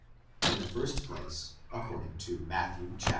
In the first place, according to Matthew (xxiv.